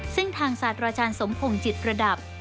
ซึ่งทางศาสตราจารย์สมพงศ์จิตประดับ